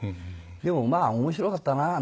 でもまあ面白かったな。